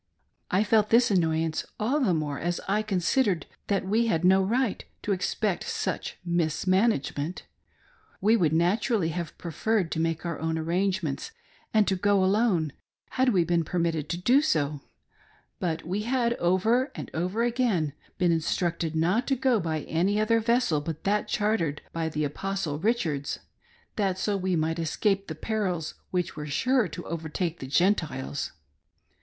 I felt this annoyance all the more as I considered that we had no right to expect such mismanagement. We would natur ally have preferred to make our own arrangements and to go alone, had we been permitted to do so ; but we had, over and over again, been instructed not to go by any other vessel but that chartered by the Apostle Richards, that so we might escape the perils which were sure to overtake the Gen tiles.